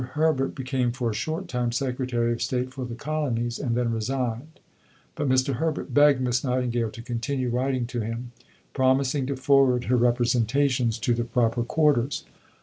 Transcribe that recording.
Herbert became for a short time Secretary of State for the Colonies, and then resigned. But Mr. Herbert begged Miss Nightingale to continue writing to him, promising to forward her representations to the proper quarters.